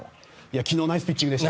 昨日、ナイスピッチングでした。